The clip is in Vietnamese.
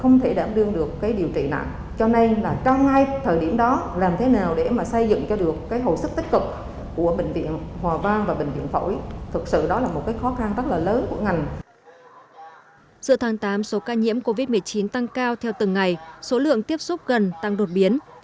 giữa tháng tám số ca nhiễm covid một mươi chín tăng cao theo từng ngày số lượng tiếp xúc gần tăng đột biến